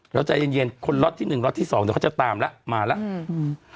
แล้วใจเย็นคนล็อตที่๑ล็อตที่๒เดี๋ยวเขาจะตามแล้วมาแล้ว